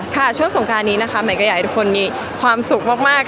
ช่วงสงการนี้นะคะใหม่ก็อยากให้ทุกคนมีความสุขมาก